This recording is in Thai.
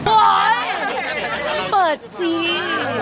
โสดแล้วแบบจีบได้เลย